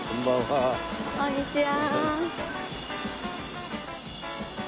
こんにちは。